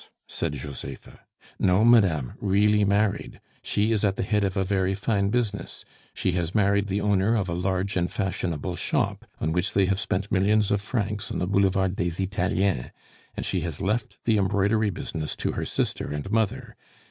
said Josepha. "No, madame, really married. She is at the head of a very fine business; she has married the owner of a large and fashionable shop, on which they have spent millions of francs, on the Boulevard des Italiens; and she has left the embroidery business to her sister and mother.